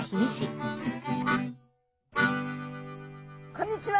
こんにちは！